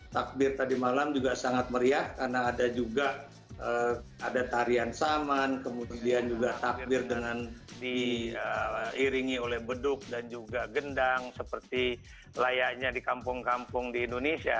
takbir tadi malam juga sangat meriah karena ada juga ada tarian saman kemudian juga takbir dengan diiringi oleh beduk dan juga gendang seperti layaknya di kampung kampung di indonesia